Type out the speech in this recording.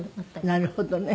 なるほどね。